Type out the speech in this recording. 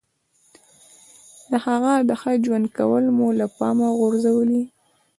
د هغه ښه ژوند کول مو له پامه غورځولي.